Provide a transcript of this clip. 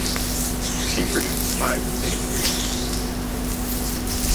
She produced five stakes winners.